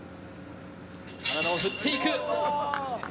体を振っていく。